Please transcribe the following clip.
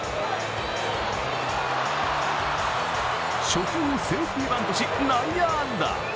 初球をセーフティーバントし内野安打。